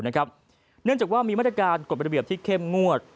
เนื่องจากว่ามีมาตรการกฎระเบียบที่เข้มงวด